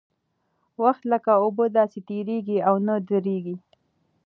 وخت لکه اوبه داسې تېرېږي او نه درېږي.